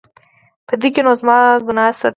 په دې کې نو زما ګناه څه ده؟